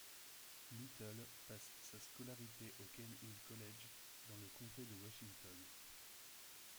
Little passe sa scolarité au Cane Hill College dans le comté de Washington.